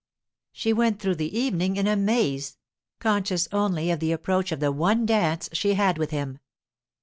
She went through the evening in a maze, conscious only of the approach of the one dance she had with him.